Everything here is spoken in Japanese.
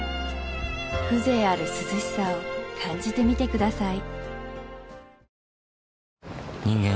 風情ある涼しさを感じてみてください